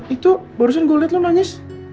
itu barusan gue liat lu nangis